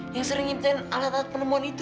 yang sering nginkan alat alat penemuan itu